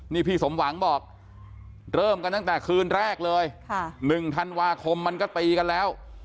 นี่พี่สมหวังบอกเริ่มกันตั้งแต่คืนแรกเลย๑ธันวาคมมันก็ตีกันแล้ว